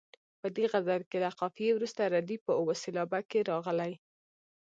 په دې غزل کې له قافیې وروسته ردیف په اوه سېلابه کې راغلی.